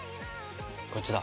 こっちだ。